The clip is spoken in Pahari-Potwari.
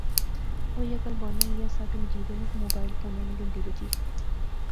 او ایہہ گل بانا ایہہ سا کہ مجیدے نےموبائل فونے نی گھنتی بجی